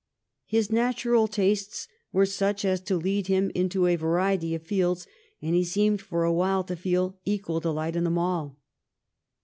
His natural tastes were such as to lead him into a variety of fields, and he seemed for a while to feel equal delight in them all.